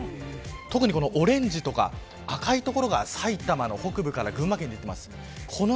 特にオレンジとか赤い所が埼玉の北部から群馬県に出ています。